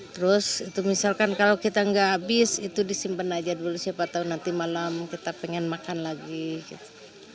terus itu misalkan kalau kita nggak habis itu disimpan aja dulu siapa tahu nanti malam kita pengen makan lagi gitu